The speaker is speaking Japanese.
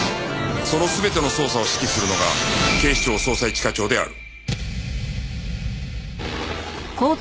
その全ての捜査を指揮するのが警視庁捜査一課長である